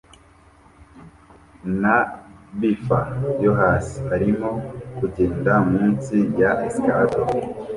na bffer yo hasi arimo kugenda munsi ya escalator